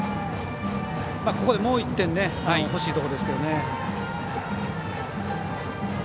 ここでもう１点欲しいところですけどね。